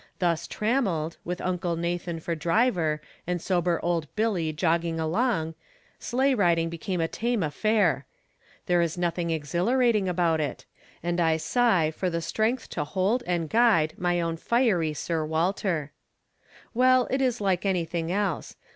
Thus trammeled, with Uncle Nathan for driver, and sober old Billy jogging along, sleigh riding became a tame affair — there is nothing exhilarating about it — and I sigh for the strength to hold and guide my own fiery Sir From Different Standpoints. 47 "Walter. Well, it is like anything else.